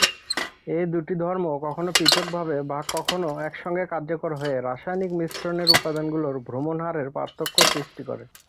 এই দুটি ধর্ম কখনো পৃথকভাবে বা কখনো একসঙ্গে কার্যকর হয়ে রাসায়নিক মিশ্রণের উপাদানগুলোর ভ্রমণ হারের পার্থক্য সৃষ্টি করে।